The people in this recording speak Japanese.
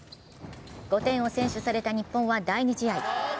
５点を先取された日本は第２試合。